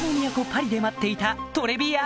パリで待っていたトレビア